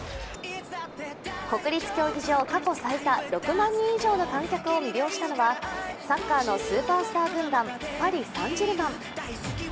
国立競技場、過去最多６万人以上の観客を魅了したのはサッカーのスーパースター軍団パリ・サン＝ジェルマン。